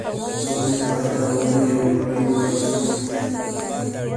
د اونۍ پای ته اونۍ او یونۍ وایي